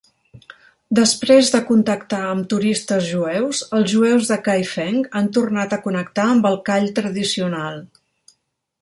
Després de contactar amb turistes jueus, els jueus de Kaifeng han tornat a connectar amb el call tradicional.